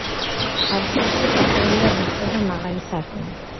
აფსიდში გაჭრილია ვიწრო და მაღალი სარკმელი.